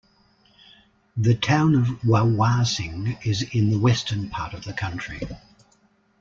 The Town of Wawarsing is in the western part of the county.